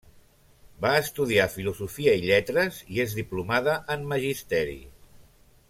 Va estudiar filosofia i lletres i és diplomada en magisteri.